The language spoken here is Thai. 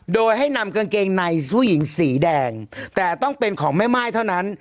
โดยให้นำกางเกงในผู้หญิงสีแดงแต่ต้องเป็นของแม่ม่ายเท่านั้น